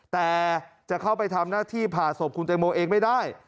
แต่จะเข้าไปทำหน้าที่ผ่าศพคุณแตงโมเองไม่ได้